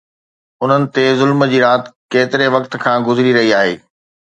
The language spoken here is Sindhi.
انهن تي ظلم جي رات ڪيتري وقت کان گذري رهي آهي؟